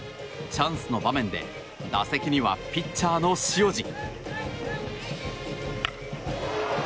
チャンスの場面で打席には、ピッチャーの塩路。